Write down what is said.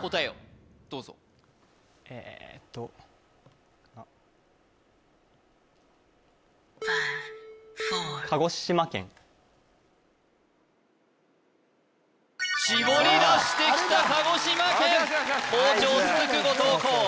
答えをどうぞえとあっ絞り出してきた鹿児島県好調続く後藤弘